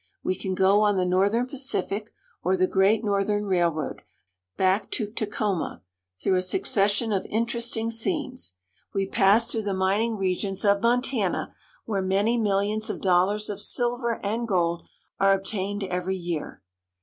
We can go on the Northern Pacific or the Great North ern railroad back to Taco ma through a succession of interesting scenes. We pass through the mining regions of Montana, where many millions of dollars of silver and gold are obtained every year.